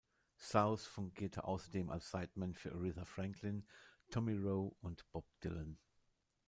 South fungierte außerdem als Sideman für Aretha Franklin, Tommy Roe und Bob Dylan.